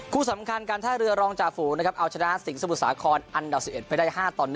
คู่สำคัญการท่าเรือการรองจาฝูเอาชนะสิงสมุสาครอันด่า๑๑ไปได้๕๑